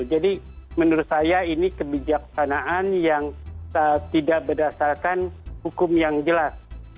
jadi menurut saya ini kebijaksanaan yang tidak berdasarkan hukum yang jelas